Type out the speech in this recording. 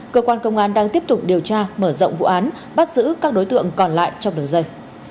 cơ quan công an đang tiếp tục điều tra mở rộng vụ án bắt giữ các đối tượng còn lại trong đường dây